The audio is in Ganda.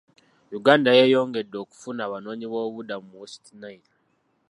Uganda yeeyongedde okufuna abanoonyiboobubudamu mu West Nile.